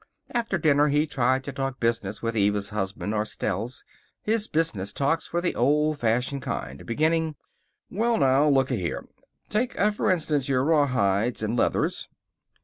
After dinner he tried to talk business with Eva's husband, or Stell's. His business talks were the old fashioned kind, beginning: "Well, now, looka here. Take, f'rinstance, your raw hides and leathers."